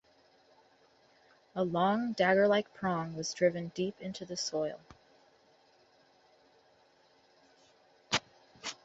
A long daggerlike prong was driven deep into the soil.